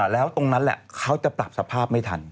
แล้วตรงนั้นแหละเขาจะปรับสภาพไม่ทัน